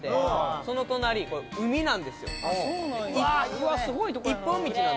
うわっすごいとこやな。